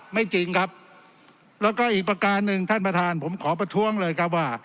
ไม่จริงครับแล้วก็อีกประการหนึ่งท่านประธานผมขอประท้วงเลยครับว่า